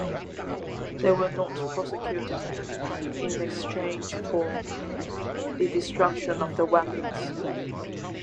They were not prosecuted in exchange for the destruction of the weapons.